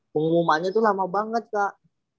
pengumumannya itu lama banget kak